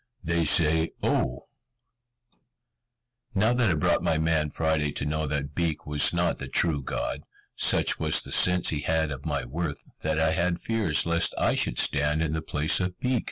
"They say 'O.'" Now that I brought my man Friday to know that Beek was not the true God, such was the sense he had of my worth, that I had fears lest I should stand in the place of Beek.